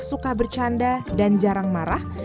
suka bercanda dan jarang marah